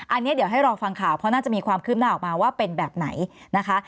อันนี้เดี๋ยวให้รอฟังข่าวเพราะน่าจะมีความคืบหน้าออกมาว่าเป็นแบบไหนนะคะ